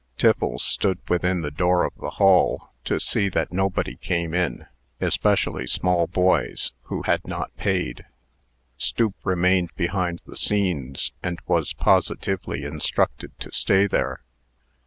Tiffles stood within the door of the hall, to see that nobody came in (especially small boys) who had not paid. Stoop remained behind the scenes, and was positively instructed to stay there.